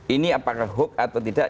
ini apakah hoax atau tidak